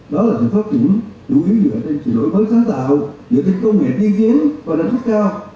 đó là sự phát triển chủ yếu dựa trên triển lỗi mới sáng tạo hiệu thịnh công nghệ tiên diễn và đảnh sức cao